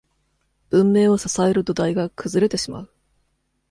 文明を支える土台が崩れてしまう。